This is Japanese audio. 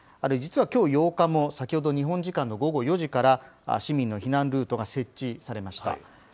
実はきょう８日も、先ほど日本時間の午後４時から、市民の避難ルートが設置されました。